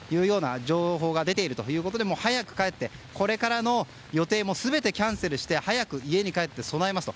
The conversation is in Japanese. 情報が出ているということで早く帰ってこれからの予定も全てキャンセルして早く家に帰って備えますと。